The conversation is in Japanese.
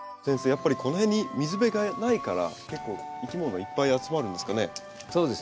やっぱりこの辺に水辺がないから結構いきものいっぱい集まるんですかね。